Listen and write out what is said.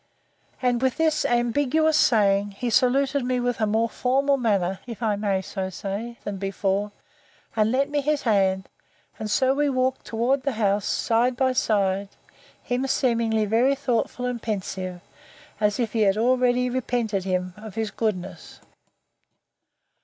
And with this ambiguous saying, he saluted me with a more formal manner, if I may so say, than before, and lent me his hand; and so we walked toward the house, side by side, he seeming very thoughtful and pensive, as if he had already repented him of his goodness.